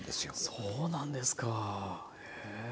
そうなんですかへえ。